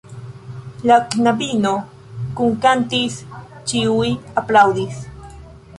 La knabino kunkantis, ĉiuj aplaŭdis.